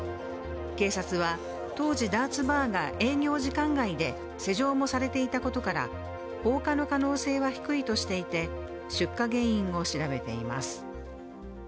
警察は当時、ダーツバーが営業時間外で施錠もされていたことから放火の可能性は低いとしていて出火原因を調べています。